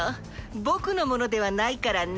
僕のものではないからね。